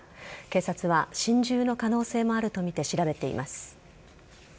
警察は心中の可能性もあるとみて調べています。